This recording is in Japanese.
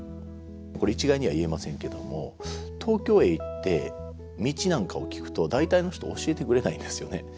これ一概には言えませんけども東京へ行って道なんかを聞くと大体の人教えてくれないですよね。